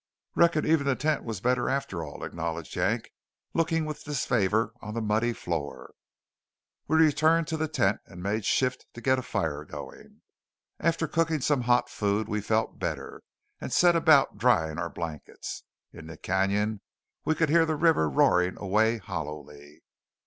"Reckon even the tent was better after all," acknowledged Yank, looking with disfavour on the muddy floor. We returned to the tent and made shift to get a fire going. After cooking some hot food, we felt better, and set about drying our blankets. In the cañon we could hear the river roaring away hollowly.